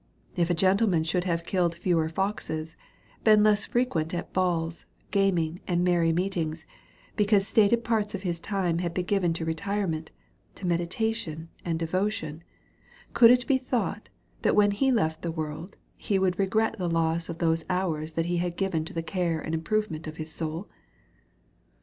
If a gentleman should have killed fewer foxes, been less frequent at balls, gaming, and merry meetings, becausb stated parts of his time had been given to re tirement, to meditation, and devotion, could it be thought, that when he left the world, he would regret the loss of those hours that he had given to the care and improvement of his soul?